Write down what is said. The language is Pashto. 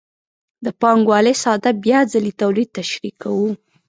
د پانګوالۍ ساده بیا ځلي تولید تشریح کوو